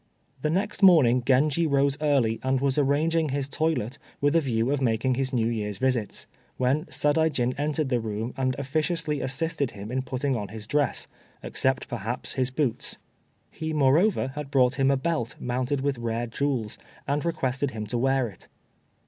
The next morning Genji rose early, and was arranging his toilet, with a view of making his New Year's visits, when Sadaijin entered the room, and officiously assisted him in putting on his dress, except, perhaps, his boots. He, moreover, had brought him a belt mounted with rare jewels, and requested him to wear it.